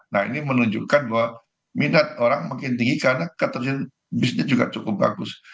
nah ini menunjukkan bahwa minat orang makin tinggi karena ketersediaan bisnis juga cukup bagus